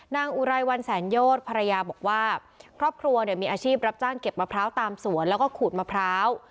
อุไรวันแสนโยศภรรยาบอกว่าครอบครัวเนี่ยมีอาชีพรับจ้างเก็บมะพร้าวตามสวนแล้วก็ขูดมะพร้าว